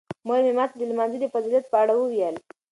مور مې ماته د لمانځه د فضیلت په اړه وویل.